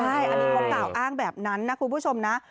ใช่อันนี้เขากล่าวอ้างแบบนั้นนะคุณผู้ชมนะ